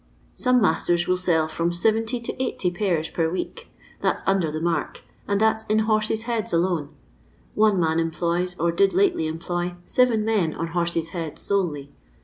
Some masters will sell from 70 to 80 pairs per week : that 's under the mark ; and that 's in ' horses' heads ' alone. One man employs, or did lately emplo} , seven men on 'horses' heads' solely.